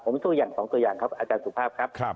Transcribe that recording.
ผมสู้อย่าง๒ตัวอย่างครับอาจารย์สุภาพครับ